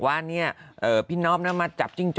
มะแรงสับนี่